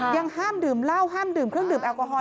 ยังห้ามดื่มเหล้าห้ามดื่มเครื่องดื่มแอลกอฮอล